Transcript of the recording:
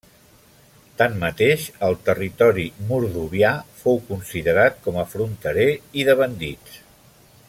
Tanmateix, el territori mordovià fou considerat com a fronterer i de bandits.